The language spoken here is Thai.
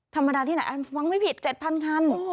ธรรมดาที่ไหนฟังไม่ผิด๗๐๐คัน